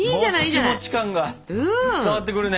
もちもち感が伝わってくるね。